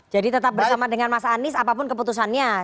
jadi tetap bersama dengan mas anis apapun keputusannya